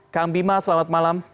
kang bima selamat malam